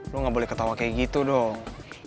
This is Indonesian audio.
lu gak boleh ketawa kayak gitu dong